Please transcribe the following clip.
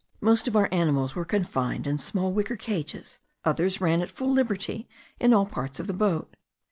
Most of our animals were confined in small wicker cages; others ran at full liberty in all parts of the boat.